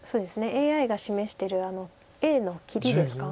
ＡＩが示してるＡの切りですか。